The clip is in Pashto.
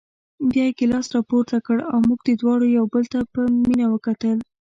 بیا یې ګیلاس راپورته کړ او موږ دواړو یو بل ته په مینه وکتل.